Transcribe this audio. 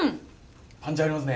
パンチありますね。